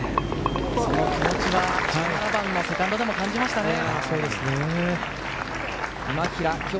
その気持ちは１７番のセカンドでも感じましたね。